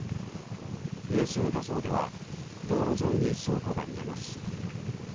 衛星画像では道路沿いに倉庫が見えます。